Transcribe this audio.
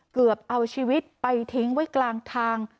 เกือบเอาชีวิตไปทิ้งไว้กลางทาง